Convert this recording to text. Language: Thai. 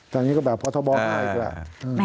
แต่อันนี้ก็แบบพอเธอบอกหน่อยก็แหละ